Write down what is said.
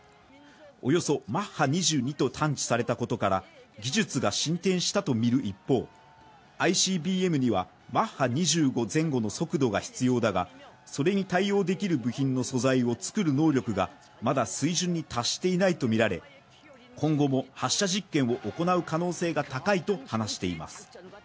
およそマッハ２２と探知されたことから技術が進展したとみる一方、ＩＣＢＭにはマッハ２５前後の速度が必要だが、それに対応できる部品の素材を作る能力がまだ水準に達していないとみられ今後も発射実験を行う可能性が高いと話しています。